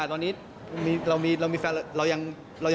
คุ้มไว้ก่อนแล้วเหรอพี่โต๊ะ